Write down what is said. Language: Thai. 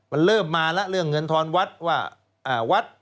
มันเริ่มมาแล้วเรื่องเงินธรรมวัดว่า